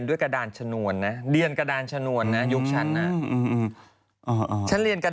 นี่สี่หมดเลย